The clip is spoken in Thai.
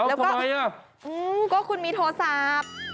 เอ้าทำไมน่ะก็คุณมีโทรศัพท์